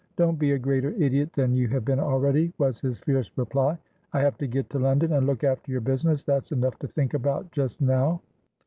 "Don't be a greater idiot than you have been already," was his fierce reply. "I have to get to London, and look after your business; that's enough to think about just now."